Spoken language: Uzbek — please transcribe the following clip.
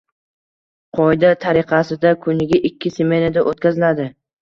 Qoida tariqasida, kuniga ikki smenada o'tkaziladi.